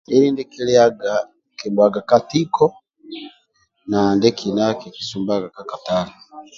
Lieli ndiekikiliaga kikibhuaga ka tiko na ndietolo kikibhuaga ka kakatale